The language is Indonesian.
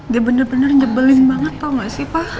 dia bener bener njebelin banget tau gak sih pak